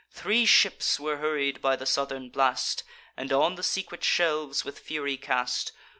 Three ships were hurried by the southern blast, And on the secret shelves with fury cast.